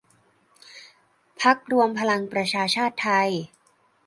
พรรครวมพลังประชาชาติไทย